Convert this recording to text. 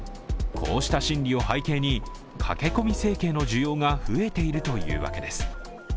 こうした心理を背景に、駆け込み整形の需要が増えているというわけです。